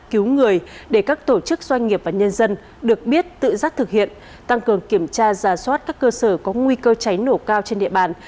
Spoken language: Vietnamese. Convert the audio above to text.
cứu người để các tổ chức doanh nghiệp và nhân dân được biết tự giác thực hiện tăng cường kiểm tra giả soát các cơ sở có nguy cơ cháy nổ cao trên địa bàn